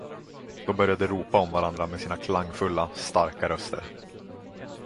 De började ropa om varandra med sina klangfulla, starka röster.